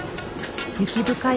雪深い